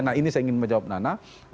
nah ini saya ingin menjawab nana